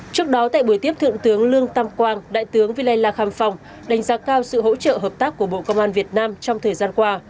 trước đó tại buổi tiếp thượng tướng lương tâm quang đại tướng vy lê la kham phong đánh giá cao sự hỗ trợ hợp tác của bộ công an việt nam trong thời gian qua